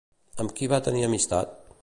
Amb qui va tenir amistat?